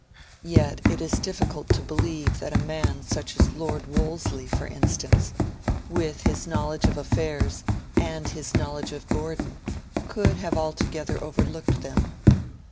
Yet it is difficult to believe that a man such as Lord Wolseley, for instance, with his knowledge of affairs and his knowledge of Gordon, could have altogether overlooked them.